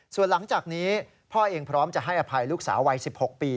ส่วนหลังจากนี้พ่อเองพร้อมจะให้อภัยลูกสาววัย๑๖ปี